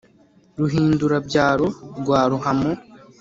ruhindura-byaro rwa ruhamo,